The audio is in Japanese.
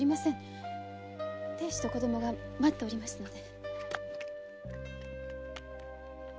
亭主と子どもが待っておりますので。